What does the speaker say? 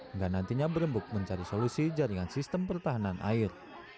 enggak nantinya berembuk mencari solusi jaringan sistem pertahanan air